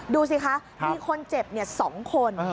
ดูสิคะมีคนเจ็บ๒คน